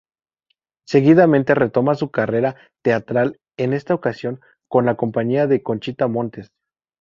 Seguidamente retoma su carrera teatral en esta ocasión con la compañía de Conchita Montes.